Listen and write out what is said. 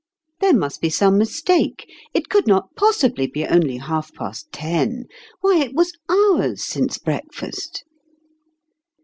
There must be some mistake ; it could not possibly be only half past ten. Why, it was hours since break fast